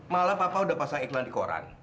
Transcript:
malah papa udah pasang iklan di koran